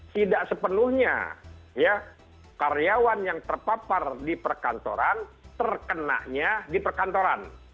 tidak sepenuhnya karyawan yang terpapar di perkantoran terkenanya di perkantoran